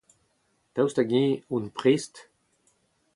Daoust hag-eñ on prest ?